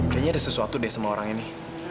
kayaknya ada sesuatu deh sama orang ini